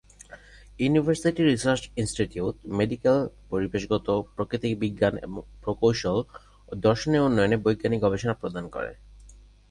University research institute medical, পরিবেশগত, প্রাকৃতিক বিজ্ঞান এবং প্রকৌশল ও দর্শনের উন্নয়নে বৈজ্ঞানিক গবেষণা প্রদান করে।